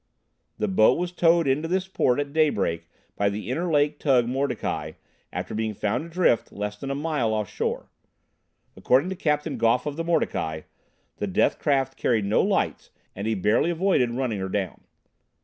The boat was towed into this port at daybreak by the Interlake Tug Mordecai after being found adrift less than a mile off shore. According to Captain Goff of the Mordecai the death craft carried no lights and he barely avoided running her down.